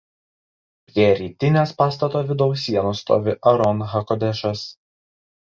Prie rytinės pastato vidaus sienos stovi Aron hakodešas.